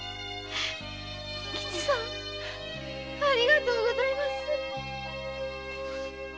仁吉っつぁんありがとうございます。